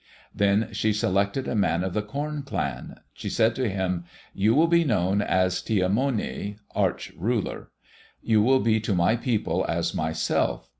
Then she selected a man of the Corn clan. She said to him, "You will be known as Ti amoni (arch ruler). You will be to my people as myself.